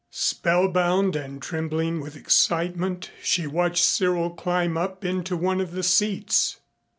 Spellbound and trembling with excitement, she watched Cyril climb up into one of the seats.